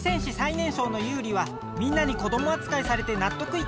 ねんしょうのユウリはみんなに子どもあつかいされてなっとくいかない！